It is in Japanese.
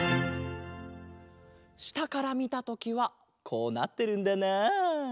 したからみたときはこうなってるんだな。